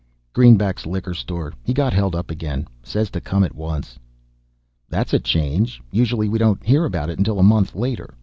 "Greenback's liquor store. He got held up again. Says to come at once." "That's a change. Usually we don't hear about it until a month later.